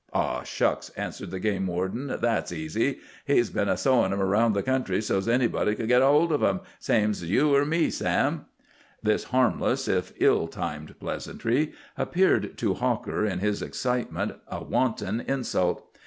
"Aw, shucks!" answered the game warden, "that's easy. He's been a sowin' 'em round the country so's anybody could git hold of 'em, same's you er me, Sam!" This harmless, if ill timed pleasantry appeared to Hawker, in his excitement, a wanton insult.